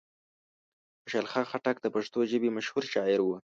خوشحال خان خټک د پښتو ژبې مشهور شاعر و.